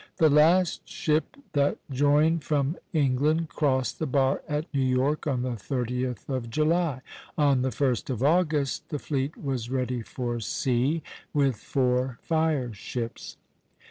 The last ship that joined from England crossed the bar at New York on the 30th of July. On the 1st of August the fleet was ready for sea, with four fire ships.